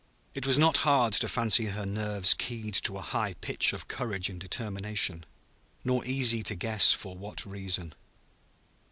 It was not hard to fancy her nerves keyed to a high pitch of courage and determination, nor easy to guess for what reason.